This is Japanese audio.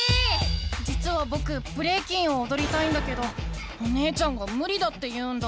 じつはぼくブレイキンをおどりたいんだけどお姉ちゃんがむりだって言うんだ。